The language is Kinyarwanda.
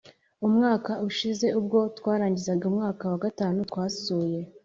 Umwaka ushize ubwo twarangizaga umwaka wa gatanu, twasuye